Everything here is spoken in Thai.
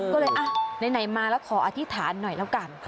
ก็เลยอ่ะไหนมาแล้วขออธิษฐานหน่อยแล้วกัน